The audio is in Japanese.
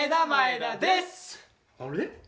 あれ？